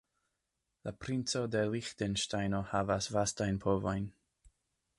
La Princo de Liĥtenŝtejno havas vastajn povojn.